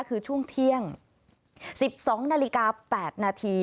คือช่วงเที่ยง๑๒นาฬิกา๘นาที